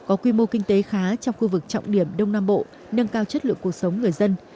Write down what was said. có quy mô kinh tế khá trong khu vực trọng điểm đông nam bộ nâng cao chất lượng cuộc sống người dân